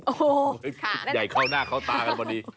โอ้โหชุดใหญ่เข้าหน้าเข้าตากันพอดี